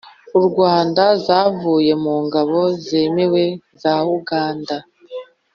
u rwanda zavuye mu ngabo zemewe za uganda.